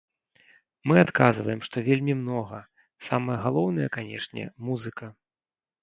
Мы адказваем, што вельмі многа, самае галоўнае, канечне, музыка.